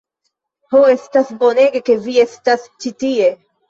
Ho, estas bonege ke vi estas ĉi tie.